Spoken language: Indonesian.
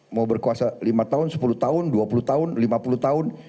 mau berkuasa lima tahun sepuluh tahun dua puluh tahun lima puluh tahun